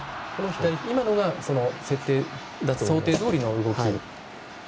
今のが想定どおりの動き。